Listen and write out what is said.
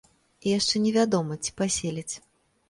І яшчэ не вядома, ці паселяць.